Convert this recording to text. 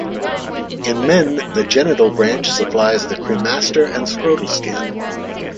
In men, the genital branch supplies the cremaster and scrotal skin.